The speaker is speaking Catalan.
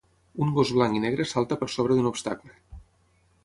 Un gos blanc i negre salta per sobre d'un obstacle.